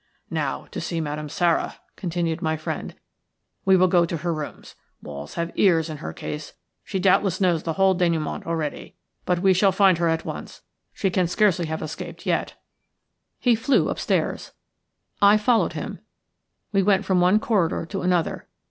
"Now to see Madame Sara," continued my friend. "We will go to her rooms. Walls have ears in her case; she doubtless knows the whole dénouement already; but we will find her at once, she can scarcely have escaped yet." He flew upstairs. I followed him. We went from one corridor to another.